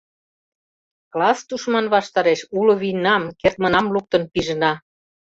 Класс тушман ваштареш уло вийнам, кертмынам луктын пижына!